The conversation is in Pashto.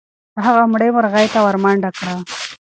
هغه مړې مرغۍ ته ورمنډه کړه.